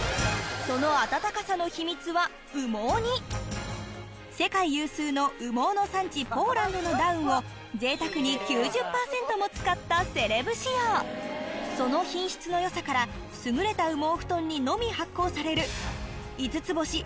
その暖かさの世界有数の羽毛の産地ポーランドのダウンを贅沢に９０％も使ったセレブ仕様その品質の良さから優れた羽毛ふとんにのみ発行される